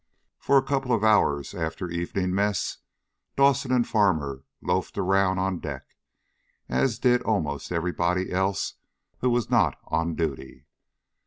For a couple of hours after evening mess Dawson and Farmer loafed around on deck, as did almost everybody else who was not on duty.